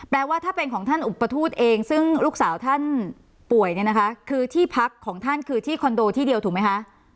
ว่าถ้าเป็นของท่านอุปทูตเองซึ่งลูกสาวท่านป่วยเนี่ยนะคะคือที่พักของท่านคือที่คอนโดที่เดียวถูกไหมคะ